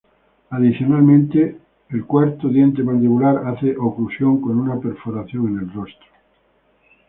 Adicionalmente, el cuarto diente mandibular hace oclusión con una perforación en el rostro.